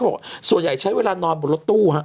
บอกส่วนใหญ่ใช้เวลานอนบนรถตู้ฮะ